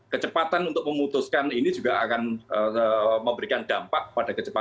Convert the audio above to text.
kecepatan untuk memutuskan ini juga akan memberikan dampak pada kecepatan